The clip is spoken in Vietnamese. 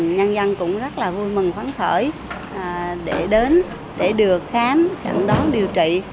nhân dân cũng rất là vui mừng khoáng khởi để đến để được khám chẳng đón điều trị